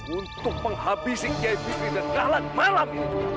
untuk menghabisi kiai bisri dan kahlan malam ini